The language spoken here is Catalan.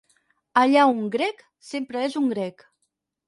Allà un grec sempre és un grec.